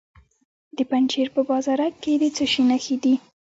د پنجشیر په بازارک کې د څه شي نښې دي؟